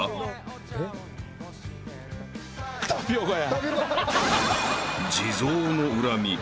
タピオカや。